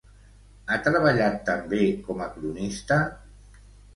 Ha treballat també com a cronista?